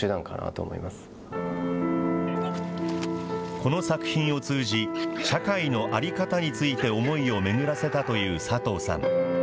この作品を通じ、社会の在り方について思いを巡らせたという佐藤さん。